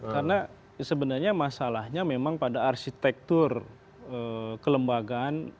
karena sebenarnya masalahnya memang pada arsitektur kelembagaan